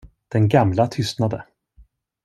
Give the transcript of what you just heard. Den gamla tystnade.